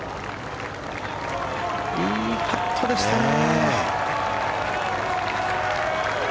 いいパットでしたね。